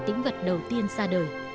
tĩnh vật đầu tiên ra đời